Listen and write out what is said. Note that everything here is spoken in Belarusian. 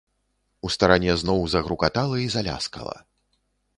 У старане зноў загрукала і заляскала.